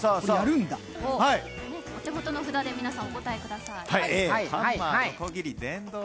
お手元の札で皆さん、お答えください。